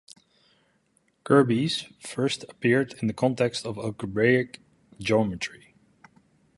Gerbes first appeared in the context of algebraic geometry.